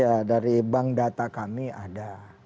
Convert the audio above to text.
ya dari bank data kami ada